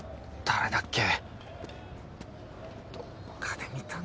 誰だっけ？